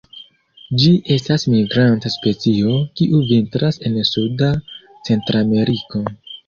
Ĝi estas migranta specio, kiu vintras en suda Centrameriko.